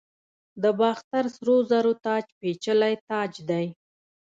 د باختر سرو زرو تاج پیچلی تاج دی